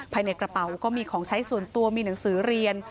ภายในกระเป๋าก็มีของใช้ส่วนตัวมีหนังสือเรียน